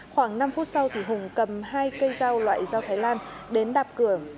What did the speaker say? khoảng năm phút sau thì hùng cầm hai cây dao loại dao thái lan đến đạp cửa